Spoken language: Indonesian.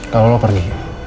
kalau lo pergi